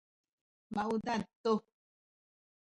maudad tu